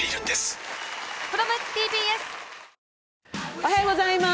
おはようございます。